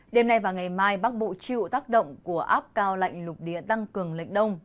đêm nay và ngày mai bắt bộ chiều tác động của áp cao lạnh lục điện tăng cường lệnh đông